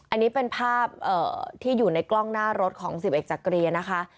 อันนี้เป็นภาพที่อยู่ในกล้องหน้ารถของสิบเอกจักรีนะคะ